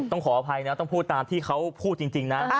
ขออภัยนะต้องพูดตามที่เขาพูดจริงนะ